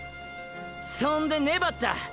そんでねばった。